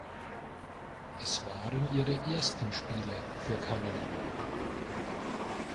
Es waren ihre ersten Spiele für Kanada.